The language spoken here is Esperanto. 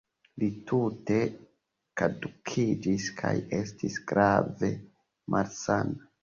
Li tute kadukiĝis kaj estis grave malsana.